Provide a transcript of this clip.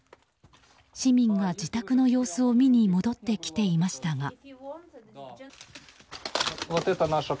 市民が自宅の様子を見に戻ってきていましたが。